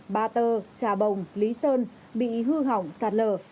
ba tơ trà bồng lý sơn bị hư hỏng sạt lở